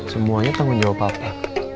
semuanya tanggung jawab papa